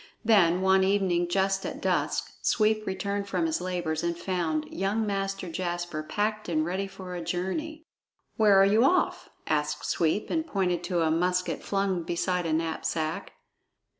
Then, one evening just at dusk, Sweep returned from his labors and found young Master Jasper packed and ready for a journey. "Where are you off?" asked Sweep, and pointed to a musket flung beside a knapsack.